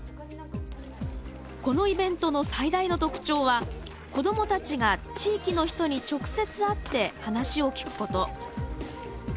このイベントの最大の特徴は子どもたちが地域の人に直接会って話を聞くこと。